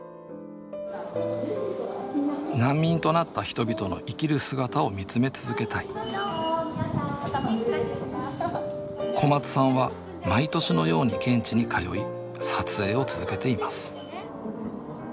難民となった人々の生きる姿をみつめ続けたい小松さんは毎年のように現地に通い撮影を続けています。